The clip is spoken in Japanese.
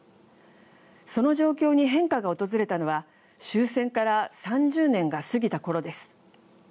その状況に変化が訪れたのは終戦から３０年が過ぎたころです。